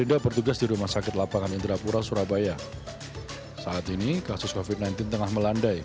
rida bertugas di rumah sakit lapangan indrapura surabaya saat ini kasus kofit sembilan belas tengah melandai